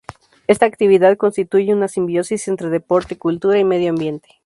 Esta actividad constituye una simbiosis entre deporte, cultura y medio ambiente.